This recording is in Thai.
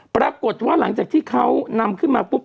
ปรากฏว่าหลังจากที่เขานำขึ้นมาปุ๊บ